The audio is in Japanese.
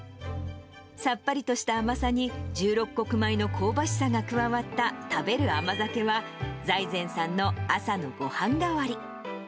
さっぱりとした甘さに、十六穀米の香ばしさが加わった食べる甘酒は、財前さんの朝のごはん代わり。